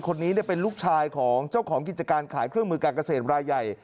คนนี้เป็นลูกชายของเจ้าของกิจการขายเครื่องมือการเกษตรรายใหญ่